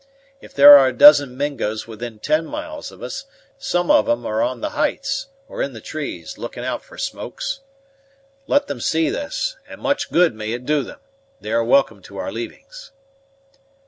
If there are a dozen Mingos within ten miles of us, some of 'em are on the heights, or in the trees, looking out for smokes; let them see this, and much good may it do them. They are welcome to our leavings."